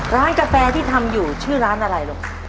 กาแฟที่ทำอยู่ชื่อร้านอะไรลูก